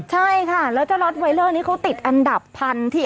ใช่ค่ะแล้วเจ้าล็อตไวเลอร์นี้เขาติดอันดับพันที่